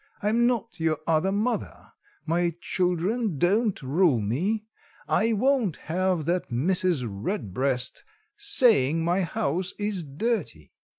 I'm not your other mother. My children don't rule me. I won't have that Mrs. Redbreast saying my house is dirty.